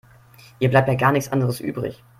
Ihr bleibt ja gar nichts anderes übrig.